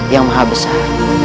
yang maha besar